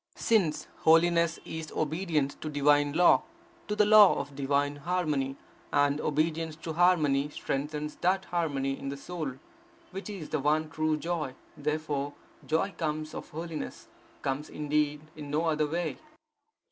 Since holiness is obedience to divine law, to the law of divine harmony, and obedience to harmony strengthens that harmony in the soul, which is the one true joy, therefore joy comes of holiness: comes, indeed, in no other way.